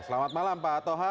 selamat malam pak toha